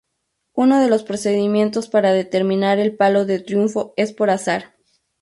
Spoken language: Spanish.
Uno de los procedimientos para determinar el palo de triunfo es por azar.